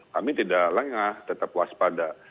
kami tidak lengah tetap waspada